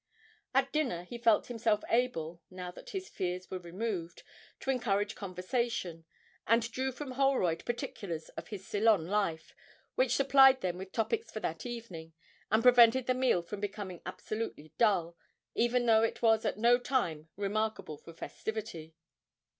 At dinner he felt himself able, now that his fears were removed, to encourage conversation, and drew from Holroyd particulars of his Ceylon life, which supplied them with topics for that evening, and prevented the meal from becoming absolutely dull, even though it was at no time remarkable for festivity.